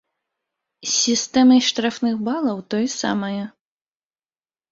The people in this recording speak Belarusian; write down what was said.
З сістэмай штрафных балаў тое самае.